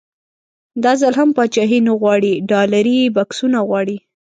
دا ځل هم پاچاهي نه غواړي ډالري بکسونه غواړي.